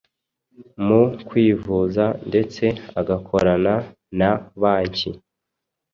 mu kwivuza ndetse agakorana na banki.